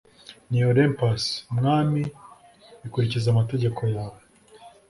Ni Olympus Mwami ikurikiza amategeko yawe